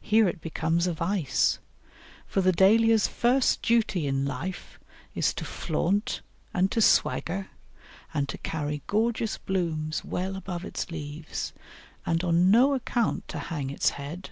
Here it becomes a vice, for the Dahlia's first duty in life is to flaunt and to swagger and to carry gorgeous blooms well above its leaves, and on no account to hang its head.